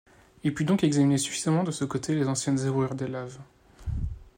Il put donc examiner suffisamment de ce côté les anciennes zébrures des laves